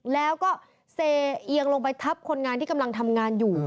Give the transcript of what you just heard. แล้วก็เซเอียงลงไปทับคนงานที่กำลังทำงานอยู่